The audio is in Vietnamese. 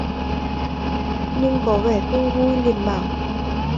Nhưng có vẻ không vui liền bảo